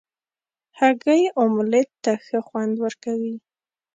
هګۍ اوملت ته ښه خوند ورکوي.